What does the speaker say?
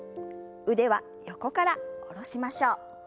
腕は横から下ろしましょう。